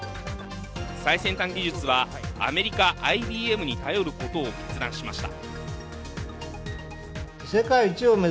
最先端技術はアメリカ・ＩＢＭに頼ることを決断しました。